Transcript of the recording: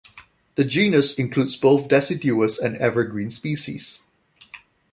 The genus includes both deciduous and evergreen species.